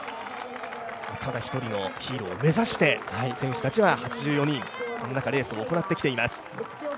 ただ１人のヒーローを目指して選手たちは８４人このレースを行っています。